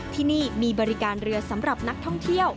ที่นี่มีบริการเรือสำหรับนักท่องเที่ยว